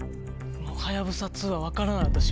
はやぶさ２は分からない私は。